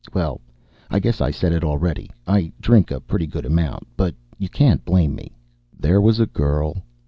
Well, I guess I said it already, I drink a pretty good amount, but you can't blame me. There was a girl.